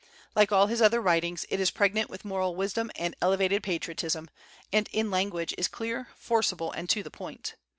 Like all his other writings, it is pregnant with moral wisdom and elevated patriotism, and in language is clear, forcible, and to the point.